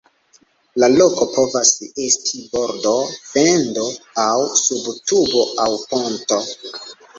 La loko povas esti bordo, fendo aŭ sub tubo aŭ ponto.